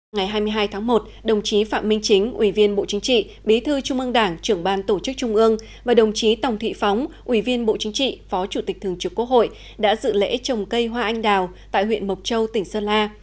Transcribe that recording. ngày hai mươi hai tháng một đồng chí phạm minh chính ủy viên bộ chính trị bí thư trung ương đảng trưởng ban tổ chức trung ương và đồng chí tòng thị phóng ủy viên bộ chính trị phó chủ tịch thường trực quốc hội đã dự lễ trồng cây hoa anh đào tại huyện mộc châu tỉnh sơn la